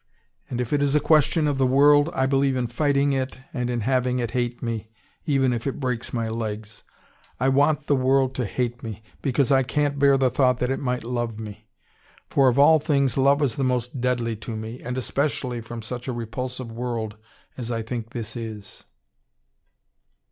And if it is a question of the world, I believe in fighting it and in having it hate me, even if it breaks my legs. I want the world to hate me, because I can't bear the thought that it might love me. For of all things love is the most deadly to me, and especially from such a repulsive world as I think this is...."